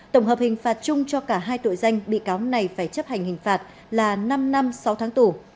tổng hợp hình phạt chung cho cả hai tội danh bị cáo này phải chấp hành hình phạt là năm năm sáu tháng tù